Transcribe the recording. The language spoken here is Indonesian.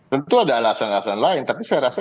tentu ada alasan alasan lain tapi saya rasa